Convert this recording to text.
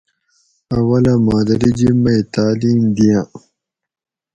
اولہ مادری جِب مئ تاۤلیم دِیاۤں